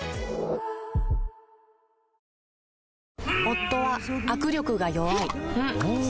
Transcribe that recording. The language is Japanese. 夫は握力が弱い